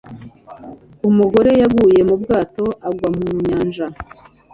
Umugore yaguye mu bwato agwa mu nyanja